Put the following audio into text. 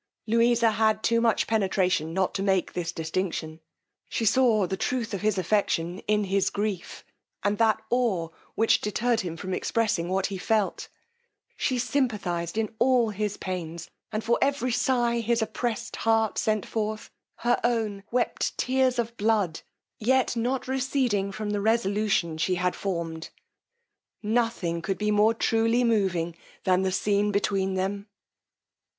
Louisa had too much penetration not to make this distinction: she saw the truth of his affection in his grief, and that awe which deterred him from expressing what he felt: she sympathized in all his pains, and for every sigh his oppressed heart sent forth, her own wept tears of blood; yet not receding from the resolution she had formed, nothing could be more truly moving than the scene between them.